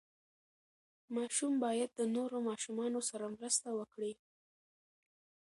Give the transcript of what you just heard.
ماشوم باید د نورو ماشومانو سره مرسته وکړي.